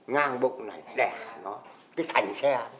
ngang bụng này đẻ nó cái thành xe